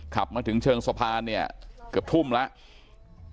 ขับมาถึงเชิงสะพานเนี่ยเกือบทุ่มแล้ว